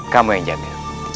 kamu yang jaga